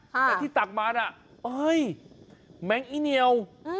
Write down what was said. แต่ที่ตักมาน่ะเฮ้ยแมงอีเหนียว